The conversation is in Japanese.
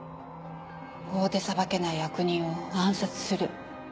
法で裁けない悪人を暗殺する。